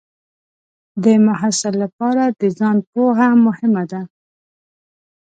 د محصل لپاره د ځان پوهه مهمه ده.